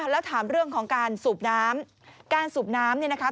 แล้วถามเรื่องของการสูบน้ำการสูบน้ำเนี่ยนะคะ